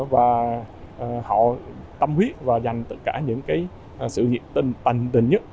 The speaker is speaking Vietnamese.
và họ tâm huyết và dành tất cả những sự hiệp tình tình nhất